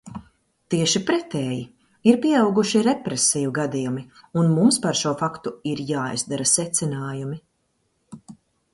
Tieši pretēji, ir pieauguši represiju gadījumi, un mums par šo faktu ir jāizdara secinājumi.